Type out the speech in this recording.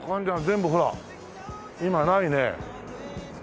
全部ほら今ないね。